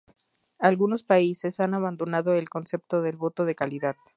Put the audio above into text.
Algunos países han abandonado el concepto del voto de calidad.